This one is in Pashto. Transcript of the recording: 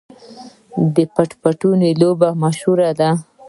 د پټ پټانې لوبه مشهوره ده.